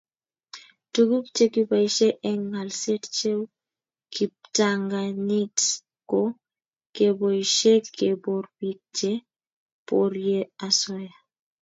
tuguk che keboishe eng' ngalset cheu kiptanganyit ko keboishe kebor piik che porie asoya